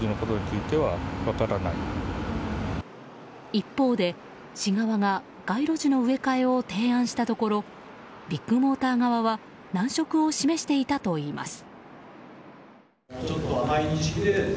一方で、市側が街路樹の植え替えを提案したところビッグモーター側は難色を示していたといいます。